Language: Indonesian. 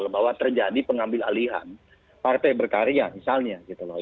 bahwa terjadi pengambil alihan partai berkarya misalnya